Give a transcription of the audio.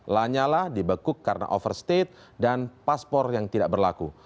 lanyala dibekuk karena overstate dan paspor yang tidak berlaku